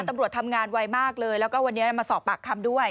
ตำรวจทำงานไวมากเลยแล้วก็วันนี้มาสอบปากคำด้วย